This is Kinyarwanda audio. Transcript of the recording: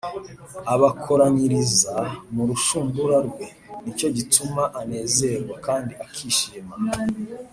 akabakoranyiriza mu rushundura rwe, ni cyo gituma anezerwa, kandi akishima